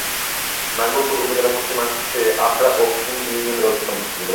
নাঙ্গলকোট উপজেলার পশ্চিমাংশে আদ্রা দক্ষিণ ইউনিয়নের অবস্থান।